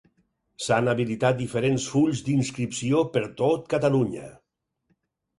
S'han habilitat diferents fulls d'inscripció per tot Catalunya.